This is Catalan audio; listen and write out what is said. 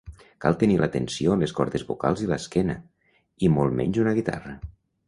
Cal tenir la tensió en les cordes vocals i l'esquena, i molt menys una guitarra.